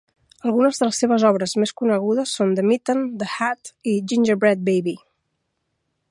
Alguns de les seves obres més conegudes són "The Mitten", "The Hat" i "Gingerbread Baby".